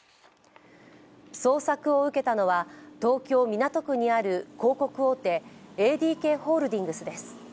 捜索を受けたのは、東京・港区にある広告大手ＡＤＫホールディングスです。